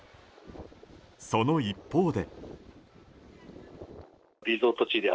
その一方で。